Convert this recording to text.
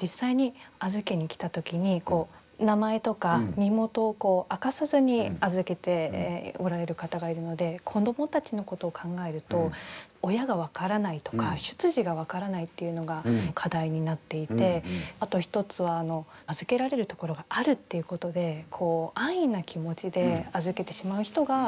実際に預けに来た時に名前とか身元を明かさずに預けておられる方がいるので子どもたちのことを考えると親が分からないとか出自が分からないっていうのが課題になっていてあと一つは預けられるところがあるっていうことで安易な気持ちで預けてしまう人が増えるんじゃないかと。